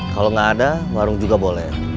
kalau nggak ada warung juga boleh